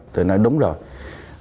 tôi nói đúng rồi